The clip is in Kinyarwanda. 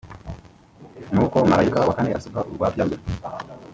nuko marayika wa kane asuka urwabya rwe